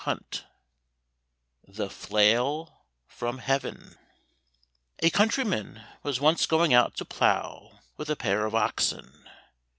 112 The Flail From Heaven A countryman was once going out to plough with a pair of oxen.